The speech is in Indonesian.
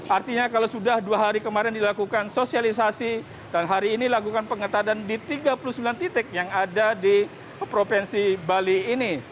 artinya kalau sudah dua hari kemarin dilakukan sosialisasi dan hari ini lakukan pengetatan di tiga puluh sembilan titik yang ada di provinsi bali ini